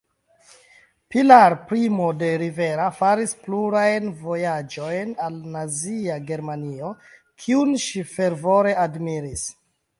Pilar Primo de Rivera faris plurajn vojaĝojn al Nazia Germanio, kiun ŝi fervore admiris.